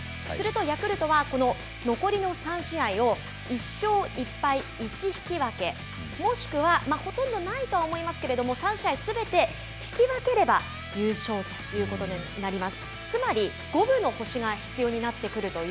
すると、ヤクルトはこの残りの３試合を１勝１敗１引き分けもしくはほとんどないとは思いますけれども３試合すべて引き分ければ優勝ということになります。